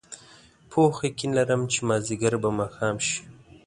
پوخ یقین لرم چې مازدیګر به ماښام شي.